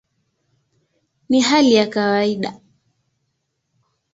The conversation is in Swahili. Ni hali ya kawaida".